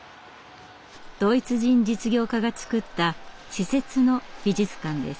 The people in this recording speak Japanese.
ドイツ人実業家が造った私設の美術館です。